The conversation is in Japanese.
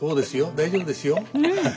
大丈夫ですよ。